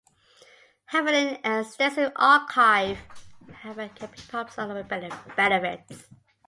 Having an extensive archive, however, can bring problems along with benefits.